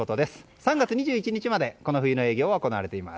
３月２１日までこの冬の営業は行われています。